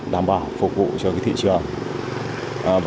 đảm bảo phục vụ cho thị trường